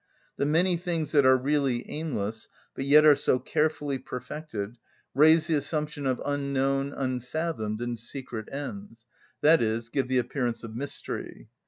The many things that are really aimless, but yet are so carefully perfected, raise the assumption of unknown, unfathomed, and secret ends, i.e., give the appearance of mystery.